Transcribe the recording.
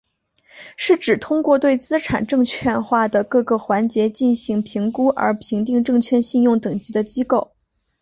是指通过对资产证券化的各个环节进行评估而评定证券信用等级的机构。